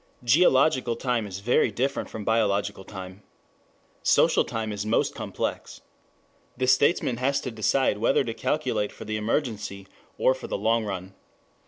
Geological time is very different from biological time. Social time is most complex. The statesman has to decide whether to calculate for the emergency or for the long run.